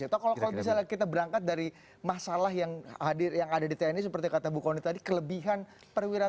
atau kalau misalnya kita berangkat dari masalah yang ada di tni seperti kata bu kaunit tadi kelebihan perwiraat